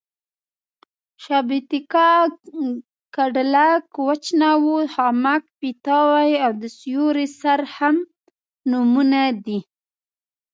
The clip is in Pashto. شابېتکه، کډلک، وچ ناو، جامک پېتاو او د سیوري سر هم نومونه دي.